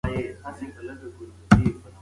مورنۍ ژبه د زده کړې لپاره ښه فضا برابروي.